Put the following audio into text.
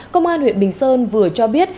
công an huyện bình sơn vừa cho biết